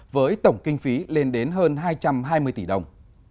với tổng kinh phí lên đến hơn hai trăm hai mươi tỷ đồng